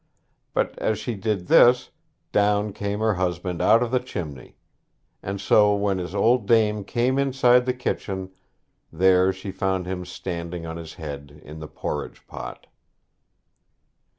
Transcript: But as she did this, down came her husband out of the chimney; and so when his old dame came inside the kitchen, there she found him standing on his head in the porridge pot.